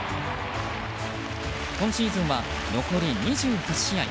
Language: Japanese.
今シーズンは残り２８試合。